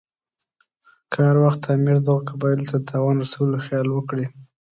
که هر وخت امیر دغو قبایلو ته د تاوان رسولو خیال وکړي.